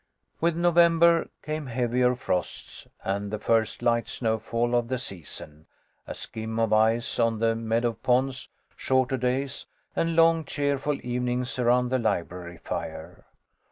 WITH November came heavier frosts and the first light snowfall of the season, a skim of ice on the meadow ponds, shorter days, and long cheerful even ings around the library fire.